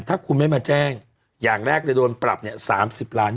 ถ้าคุณไม่มาแจ้งอย่างแรกได้โดนปรับเนี้ยสามสิบล้าน